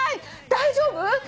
「大丈夫？」